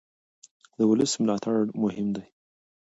د ولس ملاتړ مهم دی